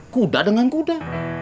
kuda dengan kuda